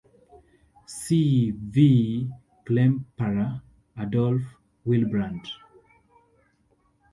See V. Klemperer, Adolf Wilbrandt.